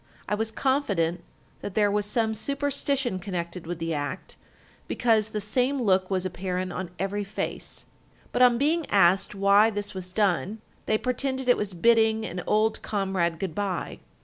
I was confident that there was some superstition connected with the act, because the same look was apparent on every face; but on being asked why this was done, they pretended it was bidding an old comrade good bye.